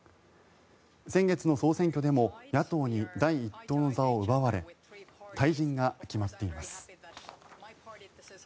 先月の総選挙でも野党に第１党の座を奪われ退陣が決まっています。